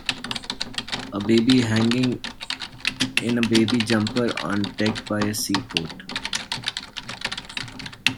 A baby hanging in a baby jumper on a deck by a sea port.